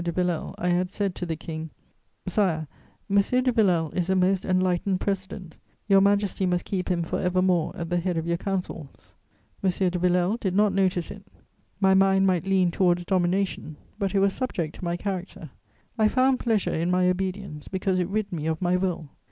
de Villèle, I had said to the King: "Sire, M. de Villèle is a most enlightened President; Your Majesty must keep him for evermore at the head of your Councils." M. de Villèle did not notice it: my mind might lean towards domination, but it was subject to my character; I found pleasure in my obedience, because it rid me of my will.